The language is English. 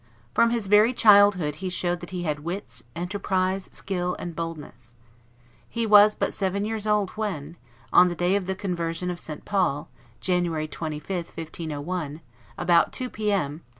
From his very childhood he showed that he had wits, enterprise, skill, and boldness. He was but seven years old when, "on the day of the conversion of St. Paul, January 25, 1501, about two P. M.